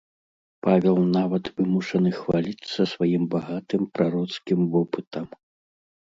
Павел нават вымушаны хваліцца сваім багатым прароцкім вопытам.